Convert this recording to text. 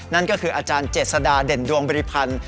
นั่นก็คืออาจารย์เจษฎาเด่นดวงบริพันธ์